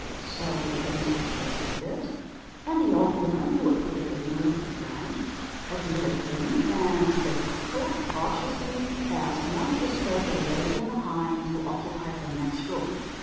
So the prince was persuaded; and the old woman, who appeared ignorant of his rank, admitted him and Becafico cautiously, so as not to disturb the lady and the hind, who occupied the next room.